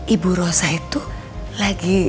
ibu rosa itu lagi